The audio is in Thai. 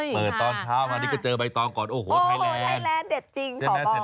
เปิดตอนเช้าแล้วจนก็เจอใบตองก่อนโอ้โหแทนแลนด์เด็ดจริงขอบอก